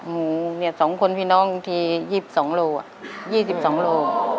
โอ้โฮเนี่ย๒คนพี่น้องที๒๒โลวะ๒๒โล